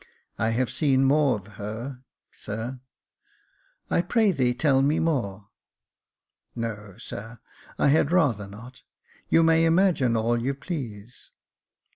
" I have seen more of her, sir." I pray thee tell me more." " No, sir, I had rather not. You may imagine all you please."